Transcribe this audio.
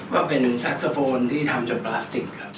ก็เป็นหนึ่งแซ็กโซโฟนที่ทำจากพลาสติกครับ